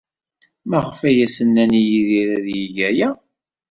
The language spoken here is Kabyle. Maɣef ay as-nnan i Yidir ad yeg aya?